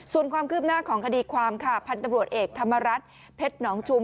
ส่วนความคืบหน้าของคดีความค่ะพันธุ์ตำรวจเอกธรรมรัฐเพชรหนองชุม